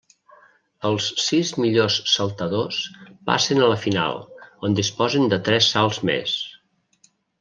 Els sis millors saltadors passen a la final, on disposen de tres salts més.